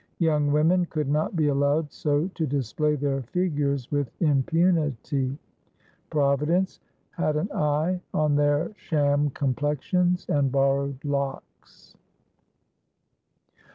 Young women could not be allowed so to display their figures with impunity. Providence had an eye on their sham complexions and borrowed locks.